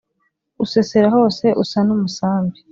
usesera hose usa n'umusambi